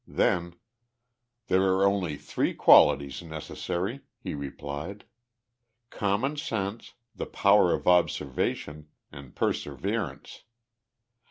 Then: "There are only three qualities necessary," he replied. "Common sense, the power of observation, and perseverance.